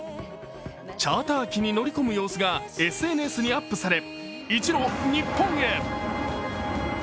チャーター機に乗り込む様子がＳＮＳにアップされ、一路日本へ。